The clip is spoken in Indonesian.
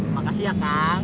makasih ya kang